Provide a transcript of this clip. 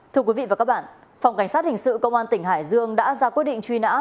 thưa quý vị và các bạn phòng cảnh sát hình sự công an tỉnh hải dương đã ra quyết định truy nã